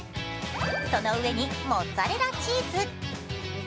その上にモッツァレラチーズ。